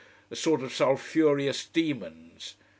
A sort of sulphureous demons.